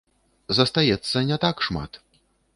Застаецца не так шмат.